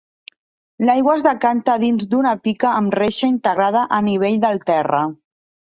L'aigua es decanta a dins d'una pica amb reixa integrada a nivell del terra.